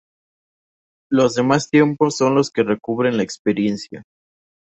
Los demás tiempos son los que recubren la experiencia.